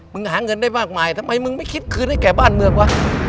หาเงินได้มากมายทำไมมึงไม่คิดคืนให้แก่บ้านเมืองวะ